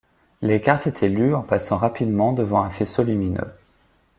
Les cartes étaient lues en passant rapidement devant un faisceau lumineux.